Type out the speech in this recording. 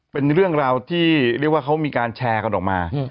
เป็นเรื่องราวที่เรียกว่าเขามีการแชร์กันออกมา